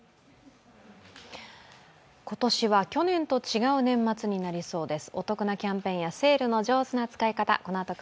今年は去年と違う年末になりそうです。